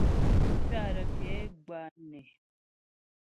Kuatə ke gwǎ né.